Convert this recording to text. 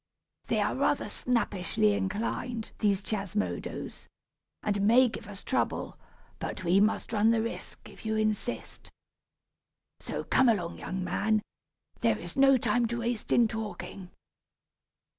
They are rather snappishly inclined, these Chiasmodos, and may give us trouble; but we must run the risk, if you insist. So, come along, young man, there's no time to waste in talking."